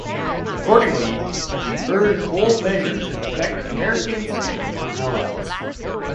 Accordingly, we urge bold measures to protect Americans and their allies.